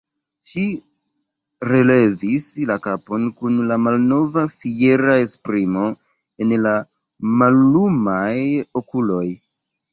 Ŝi relevis la kapon kun la malnova fiera esprimo en la mallumaj okuloj.